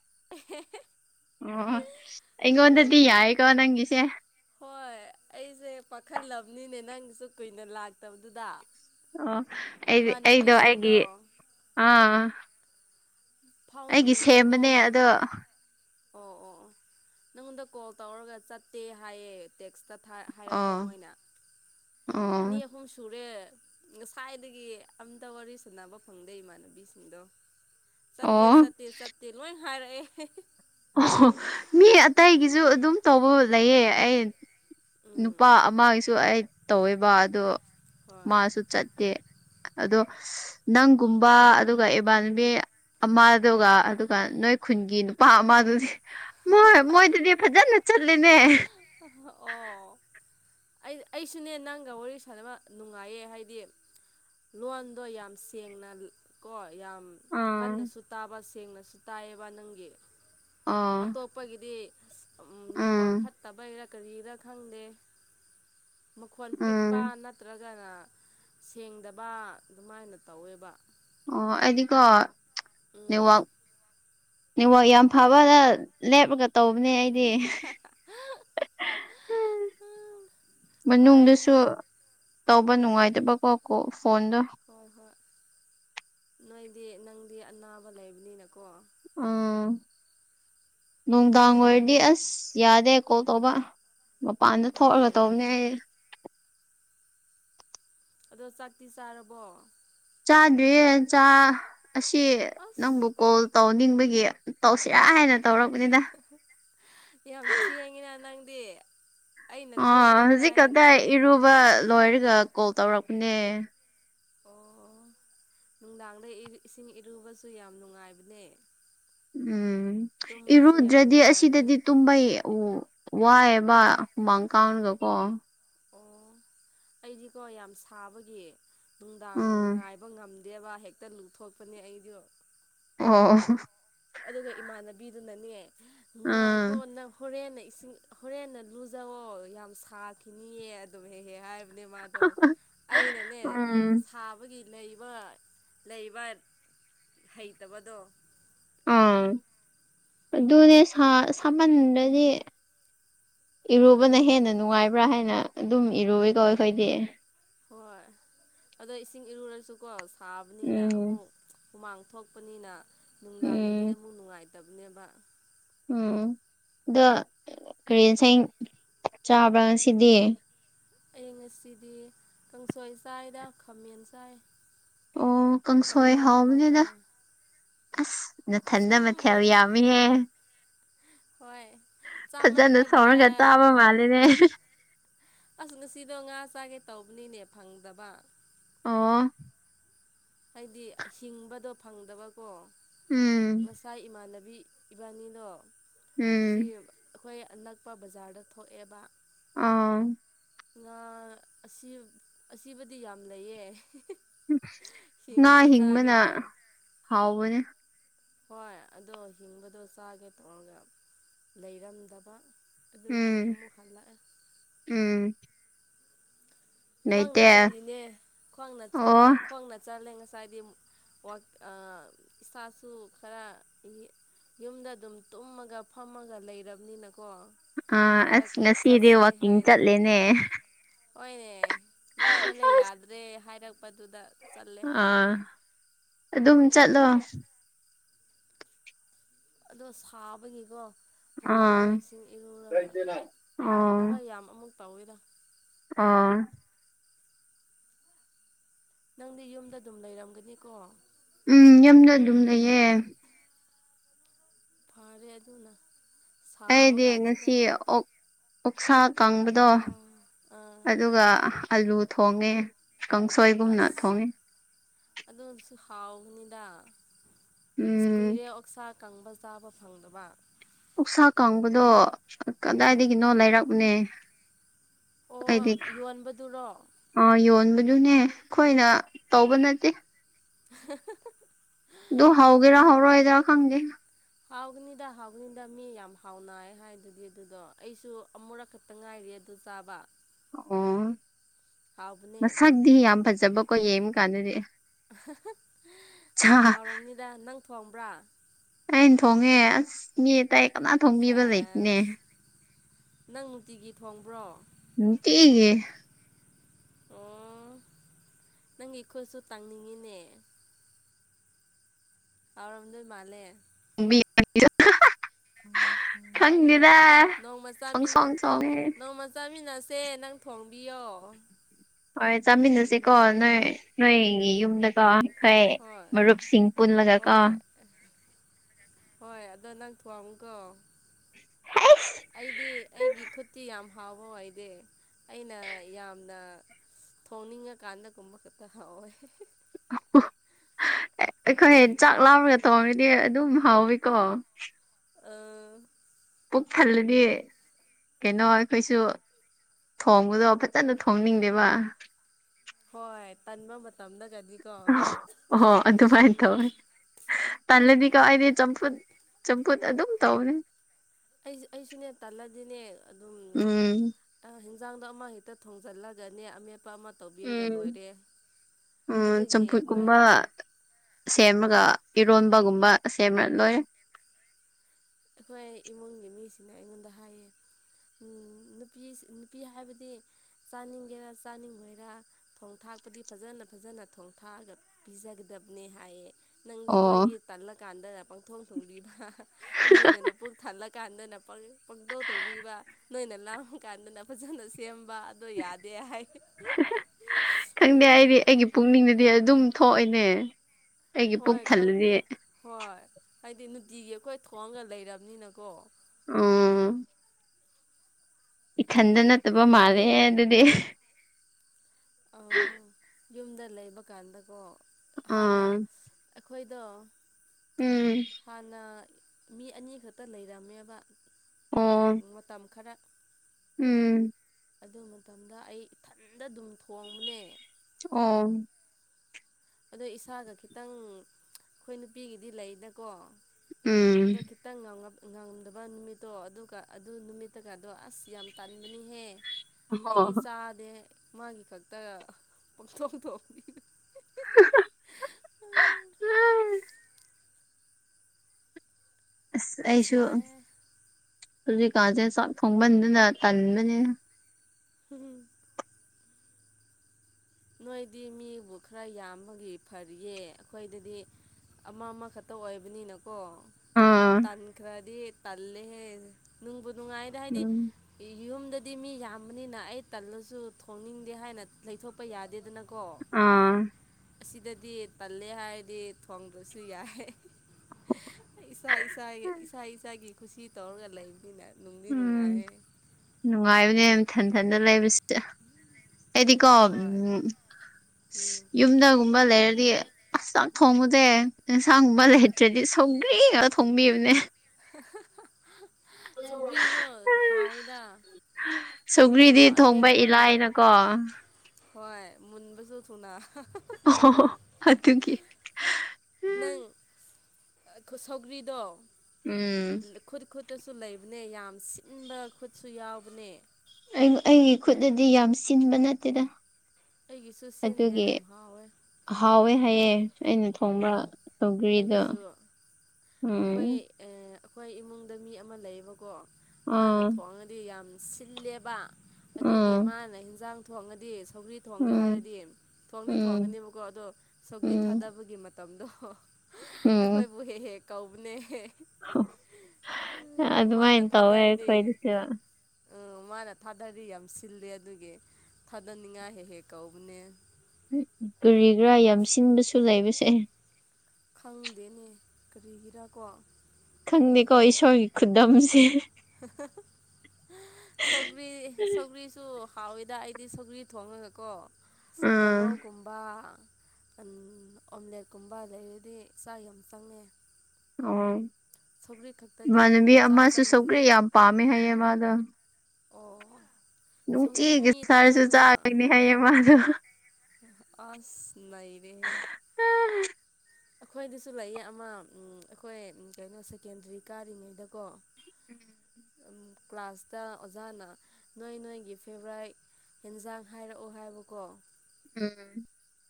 [inaudible] ꯑꯣ ꯑꯩꯉꯣꯟꯗꯗꯤ ꯌꯥꯏꯀꯣ ꯅꯪꯒꯤꯁꯦ ꯍꯣꯏ ꯑꯩꯁꯦ ꯄꯥꯈꯠꯂꯕꯅꯤꯅꯦ ꯅꯪꯒꯤꯁꯨ ꯀꯨꯏꯅ ꯂꯥꯛꯇꯕꯗꯨꯗ ꯑꯣ ꯑꯩꯗꯤ ꯑꯩꯗꯣ ꯏꯃꯥꯟꯅꯕꯤꯁꯤꯡꯗꯣ ꯑꯩꯒꯤ ꯑꯥ ꯐꯥꯎ ꯑꯩꯒꯤ ꯀꯣ ꯁꯦꯝꯕꯅꯦ ꯑꯗꯣ ꯑꯣ ꯑꯣ ꯑꯣ ꯅꯪꯉꯣꯟꯗ ꯀꯣꯜ ꯇꯧꯔꯒ ꯆꯠꯇꯦ ꯍꯥꯏꯌꯦ ꯇꯦꯛꯁ ꯍꯥꯏꯔꯛꯄ ꯑꯣ ꯃꯣꯏꯅ ꯑꯅꯤ ꯑꯣ ꯑꯍꯨꯝ ꯁꯨꯔꯦ ꯉꯁꯥꯏꯗꯒꯤ ꯑꯝꯇ ꯋꯥꯔꯤ ꯁꯥꯟꯅꯕ ꯐꯪꯗꯦ ꯏꯃꯥꯟꯅꯕꯤꯁꯤꯡꯗꯣ ꯆꯠꯇꯦ ꯑꯣ ꯆꯠꯇꯦ ꯆꯠꯇꯦ ꯂꯣꯏ ꯍꯥꯏꯔꯛꯑꯦ ꯑꯣꯣ ꯃꯤ ꯑꯇꯩꯒꯤꯁꯨ ꯑꯗꯨꯝ ꯇꯧꯕ ꯂꯩꯌꯦ ꯑꯩ ꯎꯝ ꯅꯨꯄꯥ ꯑꯃꯒꯤꯁꯨ ꯑꯩ ꯇꯧꯋꯦꯕ ꯑꯗꯣ ꯍꯣꯏ ꯃꯥꯁꯨ ꯆꯠꯇꯦ ꯑꯗꯣ ꯅꯪꯒꯨꯝꯕ ꯑꯗꯨꯒ ꯏꯕꯥꯅꯤꯕꯤ ꯑꯃꯗꯨꯒ ꯑꯗꯨꯒ ꯅꯣꯏ ꯈꯨꯟꯒꯤ ꯅꯨꯄꯥ ꯑꯃꯗꯨꯗꯤ ꯃꯣꯏ ꯃꯣꯏꯗꯨꯗꯤ ꯐꯖꯅ ꯆꯠꯂꯤꯅꯦ ꯑꯣ ꯑꯩ ꯑꯩꯁꯨꯅꯦ ꯅꯪꯒ ꯋꯥꯔꯤ ꯁꯥꯟꯅꯕ ꯅꯨꯡꯉꯥꯏꯌꯦ ꯍꯥꯏꯗꯤ ꯂꯣꯟꯗꯣ ꯌꯥꯝ ꯁꯦꯡꯅ ꯀꯣꯏ ꯌꯥꯝ ꯑꯥ ꯀꯟꯅꯁꯨ ꯇꯥꯕ ꯁꯦꯡꯅꯁꯨ ꯇꯥꯏꯌꯦꯕ ꯅꯪꯒꯤ ꯑꯣ ꯑꯇꯣꯞꯄꯒꯤꯗꯤ ꯅꯦꯠꯋꯛ ꯎꯝ ꯐꯠꯇꯕꯩꯔ ꯀꯔꯤꯔ ꯈꯪꯗꯦ ꯃꯈꯣꯜ ꯄꯤꯛꯄ ꯎꯝ ꯅꯠꯇ꯭ꯔꯒꯅ ꯁꯦꯡꯗꯕ ꯑꯗꯨꯃꯥꯏꯅ ꯇꯧꯋꯦꯕ ꯑꯣ ꯑꯩꯗꯤꯀꯣ ꯎꯝ ꯅ ꯋꯥ ꯌꯥꯝ ꯐꯕꯅ ꯂꯦꯞꯂꯒ ꯇꯧꯕꯅꯦ ꯑꯩꯗꯤ ꯐꯔꯦ ꯃꯅꯨꯡꯗꯁꯨ ꯁꯨꯃꯥꯏꯅ ꯇꯧꯕ ꯑꯥ ꯅꯨꯡꯉꯥꯏꯇꯕꯀꯣ ꯀꯣ ꯐꯣꯟꯗꯣ ꯍꯣꯏ ꯍꯣꯏ ꯅꯣꯏꯗꯤ ꯅꯪꯗꯤ ꯑꯅꯥꯕ ꯂꯩꯕꯅꯤꯅꯀꯣ ꯑꯥ ꯅꯨꯡꯗꯥꯡ ꯑꯣꯏꯔꯗꯤ ꯑꯁ ꯌꯥꯗꯦ ꯀꯣꯜ ꯇꯧꯕ ꯃꯄꯥꯟꯗ ꯊꯣꯛꯑꯒ ꯍꯣꯏꯅꯦ ꯇꯧꯕꯅꯦ ꯑꯩ ꯑꯗꯣ ꯆꯥꯛꯇꯤ ꯆꯥꯔꯕꯣ ꯆꯥꯗ꯭ꯔꯤꯌꯦ ꯆꯥ ꯑꯁꯤ ꯅꯪꯕꯨ ꯑꯁ ꯀꯣꯜ ꯇꯧꯅꯤꯡꯕꯒꯤ ꯇꯧꯁꯤꯔꯥ ꯍꯥꯏꯅ ꯇꯧꯔꯛꯄꯅꯤꯗ ꯌꯥꯝ ꯊꯦꯡꯉꯤꯅ ꯅꯪꯗꯤ ꯑꯩꯅ ꯑ ꯊꯦꯡꯒꯗ꯭ꯔꯥ ꯍꯥꯏꯅ ꯍꯧꯖꯤꯛꯀꯗꯥ ꯅꯪ ꯂꯩ ꯏꯔꯨꯕ ꯂꯣꯏꯔꯒ ꯀꯣꯜ ꯇꯧꯔꯛꯄꯅꯦ ꯑꯣ ꯅꯨꯡꯗꯥꯡꯗ ꯏꯁꯤꯡ ꯏꯔꯨꯕꯁꯨ ꯌꯥꯝ ꯅꯨꯡꯉꯥꯏꯕꯅꯦ ꯎꯝ ꯇꯨꯝꯕꯁꯨ ꯌꯥꯝ ꯏꯔꯨꯗ꯭ꯔꯗꯤ ꯅꯨꯡꯉꯥꯏꯕꯅꯦ ꯑꯁꯤꯗꯗꯤ ꯇꯨꯝꯕꯩ ꯎ ꯋꯥꯑꯦꯕ ꯃꯪ ꯀꯥꯒꯀꯣ ꯑꯣ ꯑꯩꯗꯤꯀꯣ ꯌꯥꯝ ꯁꯥꯕꯒꯤ ꯅꯨꯡꯗꯥꯡ ꯎꯝ ꯉꯥꯏꯕ ꯉꯝꯗ ꯗꯦꯕ ꯍꯦꯛꯇ ꯂꯨꯞꯊꯣꯛꯄꯅꯦ ꯑꯩꯗꯣ ꯑꯣ ꯑꯗꯨꯒ ꯏꯃꯥꯟꯅꯕꯤꯗꯨꯅꯅꯦ ꯉꯥꯏꯈꯣ ꯎꯝ ꯅꯪ ꯍꯣꯔꯦꯟꯅ ꯏꯁꯤꯡ ꯍꯣꯔꯦꯟꯅ ꯂꯨꯖꯋꯣ ꯌꯥꯝ ꯁꯥꯈꯤꯅꯤꯌꯦ ꯑꯗꯨꯝ ꯍꯦꯛꯍꯦ ꯍꯥꯏꯕ ꯅꯦꯃꯥꯗꯣ ꯑꯩꯅꯅꯦ ꯎꯝ ꯁꯥꯕꯒꯤ ꯂꯩꯕ ꯂꯩꯕ ꯍꯩꯇꯕꯗꯣ ꯑꯥ ꯑꯗꯨꯅꯦ ꯁꯥꯃꯟꯗꯗꯤ ꯏꯔꯨꯕꯅ ꯎꯝ ꯍꯦꯟꯅ ꯅꯨꯡꯉꯥꯏꯕ꯭ꯔꯥ ꯍꯥꯏꯅ ꯑꯗꯨꯝ ꯏꯔꯨꯏ ꯀꯧꯏ ꯑꯩꯈꯣꯏꯗꯤ ꯍꯣꯏ ꯑꯗꯣ ꯏꯁꯤꯡ ꯏꯔꯨꯔꯁꯨꯀꯣ ꯁꯥꯕꯅꯤꯅ ꯎꯝ ꯑꯃꯨꯛ ꯍꯨꯃꯥꯡ ꯊꯣꯛꯄꯅꯤꯅ ꯅꯨꯡꯗꯥꯡꯗꯗꯤ ꯎꯝ ꯑꯃꯨꯛ ꯅꯨꯡꯉꯥꯏꯇꯕꯅꯦꯕ ꯎꯝ ꯑꯗꯣ ꯀꯔꯤ ꯉꯁꯥꯏ ꯆꯥꯕ꯭ꯔꯥ ꯉꯁꯤꯗꯤ ꯑꯩ ꯉꯁꯤꯗꯤ ꯀꯥꯡꯁꯣꯏ ꯆꯥꯏꯗ ꯈꯥꯃꯦꯟ ꯆꯥꯏ ꯑꯣ ꯀꯥꯡꯁꯣꯏ ꯀꯥꯡꯉꯧ ꯑꯃꯒ ꯍꯥꯎꯕꯅꯤꯗ ꯑꯁ ꯑꯁ ꯅꯊꯟꯗ ꯃꯊ ꯈꯪꯗ꯭ꯔꯦꯗ ꯌꯥꯝꯃꯤꯍꯦ ꯍꯣꯏ ꯐꯖ ꯁꯧ ꯆꯥꯃꯟꯕꯒꯤꯔ ꯀꯇꯕ ꯃꯥꯅꯤꯅꯦ ꯑꯁ ꯉꯁꯤꯗꯣ ꯉꯥ ꯆꯥꯒꯦ ꯇꯧꯕꯅꯤꯅꯦ ꯐꯪꯗꯕ ꯑ [unintelligible] [inaudible] ꯍꯥꯏꯗꯤ ꯍꯤꯡꯕꯗꯣ ꯐꯪꯗꯕꯀꯣ ꯎꯝ ꯉꯁꯥꯏ ꯏꯃꯥꯟꯅꯕꯤ ꯏ ꯏꯕꯥꯅꯤꯅꯣ ꯎꯝ ꯑꯩꯈꯣꯏ ꯑꯅꯛꯄ ꯕꯖꯥꯔꯗ ꯊꯣꯛꯑꯦꯕ ꯑꯥ ꯉꯥ ꯑꯁꯤꯕꯨꯗꯤ ꯌꯥꯝ ꯂꯩꯌꯦꯦ ꯉꯥ ꯍꯤꯡꯕꯅ ꯇꯧꯔ ꯍꯥꯎꯕꯅꯦ ꯍꯣꯏ ꯑꯗꯣ ꯍꯤꯡꯕꯗꯣ ꯆꯥꯒꯦ ꯇꯧꯔꯒ ꯂꯩꯔꯝꯗꯕ ꯑꯗꯨꯒꯤ ꯎꯝ ꯑꯃꯨꯛ ꯍꯜꯂꯛꯑꯦ ꯎꯝ ꯈ꯭ꯋꯥꯡꯅ ꯂꯩꯇꯦ ꯆꯠꯂꯤꯅꯦ ꯈ꯭ꯋꯥꯡꯅ ꯑꯣ ꯍꯣꯏ ꯈ꯭ꯋꯥꯡꯅ ꯆꯠꯂꯦ ꯉꯁꯥꯏꯗꯤ ꯏꯁꯥꯁꯨ ꯈꯔ ꯌꯨꯝꯗ ꯑꯗꯨꯝ ꯇꯨꯝꯃꯒ ꯐꯝꯃꯒ ꯂꯩꯔꯕꯅꯤꯅ ꯑ ꯑꯁ ꯉꯁꯤꯗꯤ ꯋꯥꯛꯀꯤꯡ ꯍꯥꯏꯅ ꯆꯠꯂꯦꯅꯦ ꯍꯣꯏꯅꯦ ꯅꯣꯏꯃꯂ ꯌꯥꯗ꯭ꯔꯦ ꯍꯥꯏꯔꯛꯄꯗꯨꯗ ꯆꯠꯂꯦ ꯑꯥ ꯑꯗꯨꯝ ꯆꯠꯂꯣ ꯑꯗꯣ ꯁꯥꯕꯒꯤꯀꯣ ꯑꯥ ꯍꯜꯂꯛꯑꯒ ꯏꯁꯤꯡ ꯏꯔꯨꯔꯒ ꯊꯕꯛ ꯌꯥꯝ ꯑꯃꯨꯛ ꯇꯧꯋꯤꯗ ꯑꯥ ꯅꯪꯗꯤ ꯌꯨꯝꯗ ꯑꯗꯨꯝ ꯂꯩꯔꯝꯒꯅꯤꯀꯣ ꯎꯝ ꯌꯗ ꯑꯗꯨꯝ ꯂꯩꯌꯦ ꯐꯥꯦ ꯑꯗꯨꯅ ꯁꯥꯕ ꯑꯩꯗꯤ ꯀꯥꯟꯁꯤꯗ ꯉꯁꯤ ꯑꯣ ꯑꯣꯛꯁꯥ ꯀꯪꯕꯗꯣ ꯋꯥ ꯑꯥ ꯑꯗꯨꯒ ꯑꯂꯨ ꯊꯣꯡꯉꯦ ꯀꯥꯡꯁꯣꯏꯒꯨꯝꯅ ꯑꯁ ꯊꯣꯡꯉꯤ ꯑꯗꯨꯁꯨ ꯍꯥꯎꯕꯅꯤꯗ ꯑꯁ ꯎꯝ ꯀꯨꯏꯔꯦ ꯑꯣꯛꯁꯥꯛ ꯀꯪꯕ ꯆꯥꯕ ꯐꯪꯗꯕ ꯎ ꯁꯥ ꯀꯥꯡꯪꯕꯗꯣ ꯎꯝ ꯀꯗꯥꯏꯗꯒꯤꯅꯣ ꯂꯩꯔꯛꯅꯦ ꯗꯤ ꯑꯣ ꯌꯣꯟꯕꯗꯨꯔꯣ ꯑ ꯌꯣꯟꯟꯕꯨ ꯑꯗꯨꯅꯦ ꯑꯩꯈꯣꯏꯅ ꯇꯧꯕ ꯅꯠꯇꯦ [inaudible] ꯑꯗꯨ ꯍꯧꯒꯦꯔ ꯎꯝ ꯍꯧꯔꯣꯏꯗ꯭ꯔꯥ ꯈꯪꯗꯦ ꯍꯥꯎꯒꯅꯤꯗ ꯍꯥꯎꯒꯅꯤꯗ ꯃꯤ ꯌꯥꯝ ꯍꯥꯎꯅꯏ ꯍꯥꯏꯗꯨꯗꯤ ꯑꯗꯨꯗꯣ ꯑꯩꯁꯨ ꯑꯃꯨꯔꯛ ꯈꯛꯇ ꯉꯥꯏꯔꯤ ꯑꯗꯨ ꯆꯥꯕ ꯑꯣ ꯍꯥꯎꯕꯅꯦ ꯃꯁꯛꯗꯤ ꯌꯥꯝ ꯐꯖꯕꯀꯣ ꯌꯦꯡꯕꯀꯥꯟꯗꯗꯤ ꯑꯐꯥꯎꯔꯝꯅꯤꯗ ꯅꯪ ꯊꯣꯡꯕ꯭ꯔꯥ ꯑꯩꯅ ꯊꯣꯡꯉꯦ ꯑꯁ ꯃꯤ ꯑꯇꯩ ꯀꯅꯥ ꯊꯣꯡꯕꯤꯕ ꯂꯩꯇꯦꯅꯦ ꯁꯦꯁ ꯅꯪ ꯅꯨꯡꯇꯤꯒꯤ ꯊꯣꯡꯕ꯭ꯔꯣ ꯅꯨꯡꯇꯤꯒꯤ ꯑꯣ ꯅꯪ ꯑꯩꯈꯣꯏꯁꯨ ꯇꯥꯡꯅꯤꯡꯉꯤꯅꯦ ꯍꯥꯎꯔꯝꯗꯣꯏ ꯃꯥꯜꯂꯦ [unintelligible] ꯎꯝ [unintelligible] ꯈꯪꯗꯦꯗꯥ ꯁꯣꯡ ꯁꯣꯉ ꯁꯣꯡꯉꯦ ꯁꯦ ꯅꯪ ꯊꯣꯡꯕꯤꯌꯣ ꯍꯣꯏ ꯆꯥꯃꯤꯟꯅꯁꯤꯀꯣ ꯅꯣꯏ ꯅꯣꯏꯒꯤ ꯌꯨꯝꯗꯀꯣ ꯑꯩ ꯍꯣꯏ ꯃꯔꯨꯞꯁꯤꯡ ꯄꯨꯜꯂꯒ ꯀꯣ ꯍꯣꯏ ꯍꯣꯏ ꯑꯗꯣ ꯅꯪ ꯊꯣꯡꯉꯨꯀꯣ ꯑꯩꯁ ꯑꯩꯗꯤ ꯑꯩꯒꯤ ꯈꯨꯠꯇꯤ ꯌꯥꯝ ꯍꯥꯎꯕꯥ ꯑꯣꯏꯗꯦ ꯑꯩꯅ ꯌꯥꯝꯅ ꯊꯣꯡꯅꯤꯡꯉꯀꯥꯟꯗꯒꯨꯝꯕ ꯈꯛꯇ ꯍꯥꯎꯋꯦ ꯍ ꯑꯩꯈꯣꯏ ꯆꯥꯛ ꯂꯥꯝꯔꯒ ꯊꯣꯡꯔꯗꯤ ꯑꯗꯨꯝ ꯍꯥꯎꯋꯤꯀꯣ ꯑꯥ ꯄꯨꯛ ꯊꯜꯂꯗꯤ ꯀꯩꯅꯣ ꯑꯩꯈꯣꯏꯁꯨ ꯊꯣꯡꯕꯗꯣ ꯐꯖꯅ ꯊꯣꯡꯅꯤꯡꯗꯦꯕ ꯍꯣꯏ ꯇꯟꯕ ꯃꯇꯝꯗ ꯍꯣ ꯑꯗꯨꯃꯥꯏꯅ ꯇꯧꯋꯦ ꯍꯣꯏ ꯇꯜꯂꯗꯤꯀꯣ ꯑꯩꯗꯤ ꯆꯝꯐꯨꯠ ꯆꯝꯐꯨꯠ ꯑꯗꯨꯝ ꯇꯧꯅꯤ ꯑꯩ ꯑꯩꯁꯨꯅꯦ ꯇꯜꯂꯗꯤꯅꯦ ꯑꯗꯨꯝ ꯎꯝ ꯑ ꯍꯦꯟꯖꯥꯡꯗꯣ ꯑꯃ ꯍꯦꯛꯇ ꯊꯣꯡꯖꯜꯂꯒꯅꯦ ꯑꯃꯦꯠꯄ ꯑꯃ ꯇꯧꯕꯤꯔꯒ ꯎꯝ ꯂꯣꯏꯔꯦ ꯎꯝ ꯑꯗꯨꯒꯤ ꯑꯩꯈꯣꯏ ꯆꯝꯐꯨꯠꯀꯨꯝꯕ ꯁꯦꯝꯃꯒ ꯎꯝ ꯏꯔꯣꯟꯕꯒꯨꯝꯕ ꯑꯁꯦꯝꯃ ꯂꯣꯏꯔꯦ ꯑꯩꯈꯣꯏ ꯏꯃꯨꯡꯒꯤ ꯃꯤꯁꯤꯡꯅ ꯑꯩꯉꯣꯟꯗ ꯍꯥꯏꯌꯦ ꯎ ꯅꯨꯄꯤ ꯅꯨꯄꯤ ꯍꯥꯏꯕꯗꯤ ꯆꯥꯅꯤꯡꯒꯦꯔꯥ ꯆꯥꯅꯤꯡꯉꯣꯏꯔꯥ ꯊꯣꯡ ꯊꯥꯛꯄꯗꯤ ꯐꯖꯅ ꯐꯖꯅ ꯊꯣꯡ ꯊꯥꯛꯑꯒ ꯄꯤꯖꯒꯗꯕ ꯅꯦ ꯍꯥꯏꯌꯦ ꯅꯪꯗꯤ ꯑꯣ ꯅꯣꯏꯗꯤ ꯇꯜꯂꯀꯥꯟꯗ ꯄꯪꯊꯣꯡ ꯊꯣꯡꯕꯤꯕ ꯑꯗꯨꯅ ꯄꯨꯛ ꯊꯜꯂ ꯀꯥꯟꯗꯅ ꯄꯪꯇꯧ ꯇꯧꯕꯤꯕ ꯅꯣꯏꯅ ꯂꯥꯃ ꯀꯥꯟꯗꯅ ꯐꯖꯅ ꯁꯦꯝ ꯃꯥꯗꯣ ꯌꯥꯗ ꯍꯥꯏ ꯗꯤ ꯑꯗꯨꯝ ꯊꯣꯛꯏꯅꯦ ꯑꯩꯒꯤ ꯄꯨꯛ ꯍꯣꯏ ꯈꯪ ꯊꯜꯂꯗꯤ ꯍꯣꯏ ꯍꯥꯏꯗꯤ ꯅꯨꯡꯇꯤꯒꯤ ꯑꯩꯈꯣꯏ ꯊꯣꯡꯒ ꯂꯩꯔꯕꯅꯤꯅꯀꯣ ꯎꯝ ꯏꯊꯟꯗ ꯅꯠꯇꯕ ꯃꯥꯜꯂꯦꯍꯦ ꯑꯗꯨꯗꯤ ꯑꯧ [unintelligible] ꯌꯨꯝꯗ ꯂꯩꯕꯀꯥꯟꯗꯀꯣ ꯑꯥ ꯍꯥꯟꯅ ꯑꯩꯈꯣꯏꯗꯣ ꯎꯝ ꯍꯥꯟꯅ ꯃꯤ ꯑꯅꯤ ꯈꯛꯇ ꯂꯩꯔꯝꯃꯦꯕ ꯑꯣ ꯃꯇꯝ ꯈꯔ ꯎꯝ ꯑꯗꯨ ꯃꯇꯝꯗ ꯑꯩ ꯏꯊꯟꯗ ꯑꯗꯨꯝ ꯊꯣꯡꯕꯅꯦ ꯑꯣ ꯑꯗꯣ ꯏꯁꯥꯒ ꯈꯤꯇꯪ ꯑꯩꯈꯣꯏ ꯅꯨꯄꯤꯒꯤꯗꯤ ꯂꯩꯗꯀꯣ ꯎꯝ ꯑꯗꯨꯗꯣ ꯀꯈꯤꯇꯪ ꯉꯥꯡꯝꯗꯕ ꯅꯨꯃꯤꯠꯇꯣ ꯑꯗꯨꯒ ꯑꯗꯨ ꯅꯨꯃꯤꯠꯇꯒꯗꯣ ꯑꯁ ꯌꯥꯝ ꯇꯟꯥꯟꯕꯅꯤꯍꯦ ꯑꯩꯗꯤ ꯍꯣ ꯆꯥꯗꯦ ꯃꯥꯒꯤ ꯈꯛꯇ ꯄꯊꯣꯛꯊꯣꯛ ꯑꯁ ꯑꯩꯁꯨ ꯁꯥꯏꯌꯦ ꯍꯧꯖꯤꯛꯀꯥꯁꯦ ꯆꯥꯛ ꯊꯣꯡꯕꯟꯗꯨꯅ ꯇꯟꯕꯅꯤ ꯍꯝ ꯅꯣꯏꯗꯤ ꯃꯤꯕꯨ ꯈꯔ ꯌꯥꯝꯕꯒꯤ ꯐꯔꯤꯌꯦ ꯑꯩꯈꯣꯏꯗꯗꯤ ꯑꯃ ꯑꯃꯈꯛꯇ ꯑꯣꯏꯕꯅꯤꯅ ꯀꯣ ꯑꯥ ꯇꯥꯟꯈ꯭ꯔꯗꯤ ꯇꯜꯂꯦꯦꯕꯨ ꯅꯨꯡꯉꯥꯏꯗ ꯍꯥꯏꯗꯤ ꯎꯝ ꯌꯨꯝꯗ ꯗꯤ ꯃꯤ ꯌꯥꯝꯕꯅꯤꯅ ꯑꯩ ꯇꯜꯂꯁꯨ ꯊꯣꯡꯅꯤꯡꯗꯦ ꯍꯥꯏꯅ ꯂꯩꯊꯣꯛꯄ ꯌꯥꯗꯦꯗꯅ ꯑꯥ ꯑꯁꯤꯗꯗꯤ ꯇꯜꯂꯦ ꯍꯥꯏꯔꯗꯤ ꯊꯣꯡꯗ꯭ꯔꯁꯨ ꯌꯥꯏ ꯏꯁꯥ ꯏꯁꯥꯒꯤ ꯏꯁꯥ ꯏꯁꯥꯒꯤ ꯈꯨꯁꯤ ꯇꯧꯔꯒ ꯂꯩꯃꯤꯅ ꯎꯝ ꯅꯨꯡꯉꯥꯏꯕꯅꯦ ꯏꯊꯟ ꯊꯟꯇ ꯂꯩꯕꯁꯤꯗ ꯍꯥꯏꯗꯤꯀꯣ ꯎ ꯍꯣꯏ ꯎꯝ ꯌꯨꯝꯗ ꯨꯝꯕ ꯂꯩꯔꯗꯤ ꯑꯥꯛ ꯊꯣꯡꯕꯁꯦ ꯏꯟꯁꯥꯡꯒꯨꯝꯕ ꯂꯩꯇ꯭ꯔꯗꯤ ꯁꯧꯒ꯭ꯔꯤꯉ ꯊꯣꯡꯕꯤꯕꯅꯦ ꯁꯀ꯭ꯔꯤꯁꯨ ꯍꯥꯎꯗ ꯁꯧꯨꯒ꯭ꯔꯤꯗꯤ ꯊꯣꯡꯕ ꯏꯂꯥꯏꯅꯀꯣ ꯍꯣꯏ ꯃꯨꯟꯕꯁꯨ ꯊꯨꯅ ꯑꯣ ꯑꯗꯨ ꯑꯗꯨꯨꯒꯤ ꯅꯪ ꯈꯨꯁꯧꯒ꯭ꯔꯤꯗꯣ ꯎꯝ ꯈꯨꯠꯇꯁꯨ ꯂꯩꯕꯅꯦ ꯌꯥꯝ ꯁꯤꯟꯕ ꯈꯨꯠꯁꯨ ꯌꯥꯎꯕꯅꯦ ꯑꯩꯒꯤ ꯈꯨꯠꯇꯗꯤ ꯌꯥꯝ ꯁꯤꯟꯕ ꯅꯠꯇꯦꯗ ꯑꯩꯒꯤꯁꯨ ꯁꯤꯟꯗꯤ ꯑꯗꯨꯒꯤ ꯑꯗꯨꯝ ꯍꯥꯎꯋꯦ ꯍꯥꯎꯋꯦ ꯍꯥꯏꯌꯦ ꯑꯩꯅ ꯊꯣꯡꯕ ꯁꯧꯒ꯭ꯔꯤꯗꯣ ꯑꯩꯒꯤꯁꯨ ꯑꯩꯈꯣꯏ ꯎꯝ ꯑꯩꯈꯣꯏ ꯏꯃꯨꯡꯗ ꯃꯤ ꯑꯃ ꯂꯩꯌꯦꯕꯀꯣ ꯃꯥꯅ ꯑꯥ ꯊꯣꯡꯉꯉꯗꯤ ꯌꯥꯝ ꯁꯤꯜꯂꯦꯕ ꯑꯗꯨꯒꯤ ꯎꯝ ꯃꯥꯅ ꯌꯦꯟꯖꯥꯡ ꯊꯣꯡꯉꯗꯤ ꯁꯧꯒ꯭ꯔꯤ ꯊꯣꯡꯒꯦ ꯎꯝ ꯍꯥꯏꯔꯗꯤ ꯊꯣꯡꯗꯤ ꯎꯝ ꯊꯣꯡꯒꯅꯦꯕꯀꯣ ꯑꯗꯣ ꯁꯧꯒ꯭ꯔꯤ ꯎꯝ ꯊꯥꯗꯕꯒꯤ ꯃꯇꯝꯗꯣ ꯎꯝ ꯑꯩꯈꯣꯏꯕꯨ ꯍꯦꯛ ꯍꯦꯛ ꯀꯧꯕꯅꯦ ꯑꯗꯨꯃꯥꯏꯅ ꯇꯧꯋꯦ ꯑꯩꯈꯣꯏꯗꯁꯕ ꯑ ꯃꯥꯅ ꯊꯥꯗꯔꯤ ꯌꯥꯝ ꯁꯤꯜꯂꯦ ꯑꯗꯨꯒꯤ ꯊꯥꯗꯅꯤꯡꯉꯥꯏ ꯍꯦꯛ ꯍꯦꯛ ꯀꯧꯕꯅꯦ ꯔꯤꯒ꯭ꯔꯥ ꯌꯥꯝ ꯁꯤꯟꯕꯁꯨ ꯂꯩꯥꯏꯕꯁꯦ ꯈꯪꯗꯦꯅꯦ ꯀꯔꯤꯒꯤꯔꯀꯣ ꯈꯪꯗꯦꯀꯣ ꯏꯁꯣꯔꯒꯤ ꯈꯨꯗꯝꯁꯦ ꯁꯧꯒ꯭ꯔꯤ ꯁꯧꯒ꯭ꯔꯤꯁꯨ ꯍꯥꯎꯋꯤꯗ ꯑꯩꯗꯤ ꯁꯧꯒ꯭ꯔꯤ ꯊꯣꯡꯉꯒꯀꯣ ꯎꯝ ꯀꯥꯡꯉꯧꯒꯨꯝꯕ ꯑꯣꯝꯂꯦꯠꯀꯨꯝꯕ ꯂꯩꯔꯗꯤ ꯆꯥ ꯌꯥꯝ ꯆꯪꯉꯦ ꯑꯣ ꯁꯧꯒ꯭ꯔꯤ ꯈꯛꯇꯗꯤ ꯏꯃꯥꯟꯅꯕꯤ ꯆꯥꯛ ꯑꯃꯁꯁꯨ ꯆꯪꯗꯦ ꯁꯧꯛꯂꯦ ꯌꯥꯝ ꯄꯥꯝꯃꯦ ꯍꯥꯏꯌꯦ ꯃꯥꯗꯣ ꯑꯣ ꯁꯧꯒ꯭ꯔꯤ ꯅꯨꯡꯇꯤꯒꯤ ꯃꯤ ꯁꯥꯔꯁꯨ ꯊꯥꯖꯗꯅ ꯆꯥꯒꯅꯤ ꯍꯥꯏꯌꯦ ꯃꯥꯗꯣ ꯑꯁ ꯅꯥꯏꯔ ꯍꯦ ꯑꯩꯈꯣꯏꯗꯁꯨ ꯂꯩꯌꯦ ꯑꯃ ꯑꯩꯈꯣꯏ ꯀꯩꯅꯣ ꯁꯦꯀꯦꯟꯗꯔꯤ ꯀꯥꯔꯤꯉꯩꯗꯀꯣ ꯀ꯭ꯂꯥꯁꯇ ꯑꯣꯖꯥꯅ ꯅꯣꯏ ꯅꯣꯏ ꯒꯤ ꯐꯦꯚꯣꯔꯥꯏꯠ ꯌꯦꯟꯖꯥꯡ ꯍꯥꯏꯔꯛꯑꯣ ꯍꯥꯏꯕꯀꯣ ꯎꯝ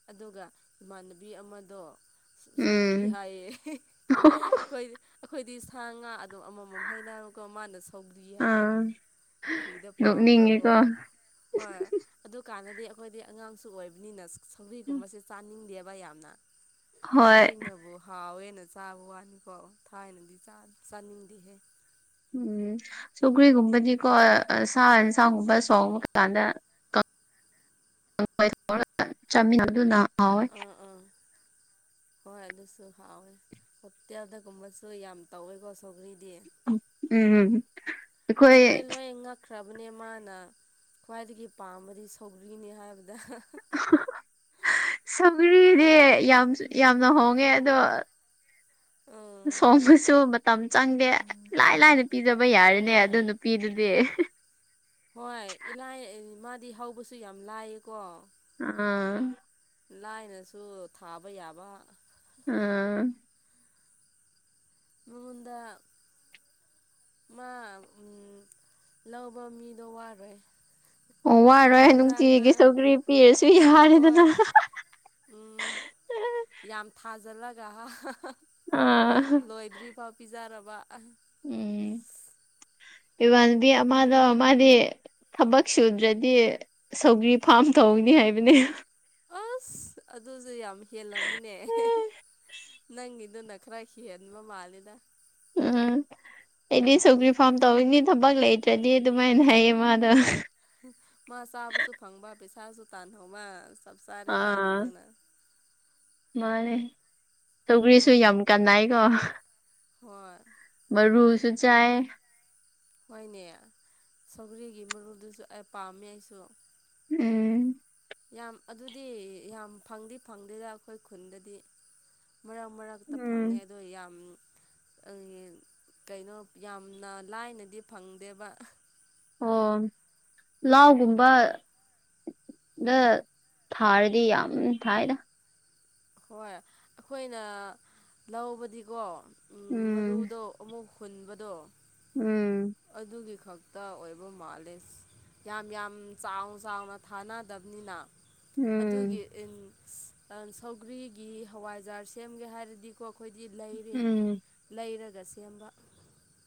ꯑꯗꯨꯒ ꯏꯃꯥꯟꯅꯕꯤ ꯑꯃꯗꯣ ꯁꯧꯒ꯭ꯔꯤ ꯎꯝ ꯍꯥꯏꯌꯦ ꯑꯩꯣꯏ ꯑꯩꯈꯣꯏꯗꯤ ꯁꯥ ꯉꯥ ꯑꯗꯨꯝ ꯑꯃꯃꯝ ꯍꯥꯏꯩꯅꯀ ꯃꯥꯅ ꯁꯧꯗ꯭ꯔꯤ ꯌꯥꯏ ꯑꯥ ꯀꯔꯤꯗ ꯄꯥꯝꯕ꯭ꯔꯥꯒꯣ ꯅꯣꯛꯅꯤꯡꯉꯦꯀꯣ ꯍꯣꯏ ꯑꯗꯨ ꯀꯥꯟꯗꯗꯤ ꯑꯩꯈꯣꯏꯗꯤ ꯑꯉꯥꯡꯁꯨ ꯑꯣꯏꯕꯅꯤꯅ ꯁꯧꯒ꯭ꯔꯤꯒꯨꯝꯕꯁꯦ ꯆꯥꯅꯤꯡꯗꯦꯕ ꯌꯥꯝꯅ ꯍꯣꯏ ꯍꯧꯖꯤꯛꯅꯕꯨ ꯍꯥꯎꯋꯦ ꯅ ꯆꯥꯕ ꯋꯥꯅꯤꯀꯣ ꯊꯥꯏꯅꯗꯤ ꯆꯥ ꯆꯥꯅꯤꯡꯗꯦꯍꯦ ꯎꯝ ꯁꯧꯒ꯭ꯔꯤꯒꯨꯝꯕꯗꯤꯀꯣ ꯁꯥ ꯌꯦꯟꯁꯥꯡꯒꯨꯝꯕ ꯊꯣꯡꯕ ꯀꯥꯟꯗ ꯆꯥꯃꯤꯟꯅꯕ [inaudible] ꯑꯗꯨꯅ ꯍꯥꯎꯋꯦ ꯑꯥ ꯑꯥ ꯍꯣꯏ ꯑꯗꯨꯁꯨ ꯍꯥꯎꯋꯦ ꯍꯣꯇꯦꯜꯗꯒꯨꯝꯕꯁꯨ ꯌꯥꯝ ꯇꯧꯋꯦꯀꯣ ꯁꯧꯒ꯭ꯔꯤ ꯎꯝ ꯎꯝ ꯑꯩꯈꯣꯏ ꯆꯠꯈ꯭ꯔꯕꯅꯦ ꯃꯥꯅ ꯈ꯭ꯋꯥꯏꯗꯒꯤ ꯄꯥꯝꯕꯗꯤ ꯁꯧꯒ꯭ꯔꯤꯅꯤ ꯍꯥꯏꯕꯅꯤ ꯗ ꯄꯨꯨꯔꯤꯗꯤ ꯌꯥꯝ ꯌꯥꯝꯅ ꯍꯣꯡꯉꯦ ꯑꯗꯣ [inaudible] ꯎꯝ ꯊꯣꯡꯕꯁꯨ ꯃꯇꯝ ꯆꯪꯗꯦ ꯂꯥꯏ ꯂꯥꯏꯅ ꯄꯤꯖꯕ ꯌꯥꯔꯅꯦ ꯑꯗꯨ ꯍꯣꯏ ꯅꯨꯄꯤꯗꯨꯗꯤ ꯍꯣꯏ ꯏꯂꯥꯏ ꯃꯥꯗꯤ ꯍꯧꯕꯁꯨ ꯌꯥꯝ ꯂꯥꯏꯌꯦꯀꯣ ꯑꯥ ꯂꯥꯏꯅꯁꯨ ꯊꯥꯕ ꯌꯥꯕ ꯑꯥ ꯃꯉꯣꯟꯗ ꯃꯥ ꯎꯝ ꯂꯧꯕ ꯃꯤꯗꯣ ꯋꯥꯔꯣꯏ ꯑꯣ ꯋꯥꯔꯣꯏ ꯌꯦꯟꯖꯥꯡꯗꯣ ꯅꯨꯡꯇꯤꯒꯤ ꯁꯧꯒ꯭ꯔꯤ ꯄꯤꯔꯁꯨ ꯌꯥꯔꯦꯗꯅ ꯍꯣꯏ [inaudible] ꯎꯝ ꯌꯥꯝ ꯊꯥꯖꯤꯜꯂꯒ ꯑꯥ ꯂꯣꯏꯗ꯭ꯔꯤꯐꯥꯎ ꯄꯤꯖꯔꯕ ꯎꯝ ꯏꯃꯥꯟꯅꯕꯤ ꯑꯃꯗꯣ ꯃꯥꯗꯤ ꯊꯕꯛ ꯁꯨꯗ꯭ꯔꯗꯤ ꯁꯧꯒ꯭ꯔꯤ ꯐꯥꯔꯝ ꯇꯧꯅꯤ ꯍꯥꯏꯕꯅꯦ ꯑꯁ ꯑꯗꯨꯁꯨ ꯌꯥꯝ ꯍꯦꯜꯂꯝꯃꯤꯅꯦ ꯅꯪꯒꯤꯗꯨꯅ ꯈꯔ ꯍꯦꯟꯕ ꯃꯥꯜꯂꯤꯗ ꯎꯝ ꯑꯩꯗꯤ ꯁꯧꯒꯔꯤ ꯐꯥꯝ ꯇꯧꯔꯤꯅꯤ ꯊꯕꯛ ꯂꯩꯇ꯭ꯔꯗꯤ ꯑꯗꯨꯃꯥꯏꯅ ꯍꯥꯏꯌꯦ ꯃꯥꯗꯣ ꯃꯥ ꯆꯥꯕꯁꯨ ꯐꯪꯕ ꯄꯩꯁꯥꯁꯨ ꯇꯥꯟꯍꯧꯕ ꯆꯞ ꯆꯥꯔꯦ ꯑꯥ ꯃꯥꯒꯤꯗꯨꯅ ꯃꯥꯅꯦ ꯁꯧꯒ꯭ꯔꯤꯁꯨ ꯌꯥꯝ ꯀꯥꯟꯅꯩꯀꯣ ꯍꯣꯏ ꯃꯔꯨꯁꯨ ꯆꯥꯏ ꯍꯣꯏꯅꯦ ꯁꯧꯒꯔꯤꯒꯤ ꯃꯔꯨꯗꯨꯁꯨ ꯑꯩ ꯄꯥꯝꯃꯦ ꯑꯩꯁꯨ ꯎꯝ ꯌꯥꯝ ꯑꯗꯨꯗꯤ ꯌꯥꯝ ꯐꯪꯗꯤ ꯐꯪꯗꯦꯗ ꯑꯩꯈꯣꯏ ꯈꯨꯟꯗꯗꯤ ꯃꯔꯛ ꯃꯔꯛꯇ ꯐꯪꯉꯦ ꯎꯝ ꯑꯗꯣ ꯌꯥꯝ ꯀꯩꯅꯣ ꯌꯥꯝꯅ ꯂꯥꯏꯅꯗꯤ ꯐꯪꯗꯦꯕ ꯑꯣ ꯂꯧꯒꯨꯝꯕ ꯑꯗ ꯊꯥꯔꯗꯤ ꯌꯥꯝ ꯊꯥꯏꯗ ꯍꯣꯏ ꯑꯩꯈꯣꯏꯅ ꯂꯧꯕꯗꯤꯀꯣ ꯎꯝ ꯃꯔꯨꯗꯣ ꯑꯃꯨꯛ ꯍꯨꯟꯕꯗꯣ ꯎꯝ ꯇ ꯑꯣꯏꯕ ꯃꯥꯜꯂꯦ ꯌꯥꯝ ꯌꯥꯝ ꯆꯥꯎ ꯆꯥꯎꯅ ꯊꯥꯅꯗꯕꯅꯤꯅ ꯑꯗꯨꯒꯤ ꯎꯝ ꯁꯧꯒ꯭ꯔꯤꯒꯤ ꯍꯋꯥꯏꯖꯥꯔ ꯁꯦꯝꯒꯦ ꯍꯥꯏꯔꯗꯤꯀꯣ ꯑꯩꯈꯣꯏꯗꯤ ꯂꯩꯔꯦ ꯎꯝ ꯂꯩꯔꯒ ꯂꯩꯔꯒ ꯁꯦꯝꯕ